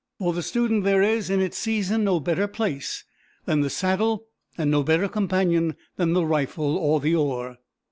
For the student there is, in its season, no better place than the saddle, and no better companion than the rifle or the oar."